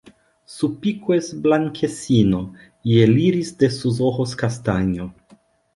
Su pico es blanquecino y el iris de sus ojos castaño.